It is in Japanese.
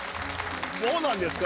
どうなんですか？